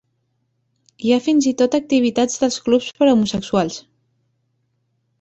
Hi ha fins i tot activitats dels clubs per a homosexuals.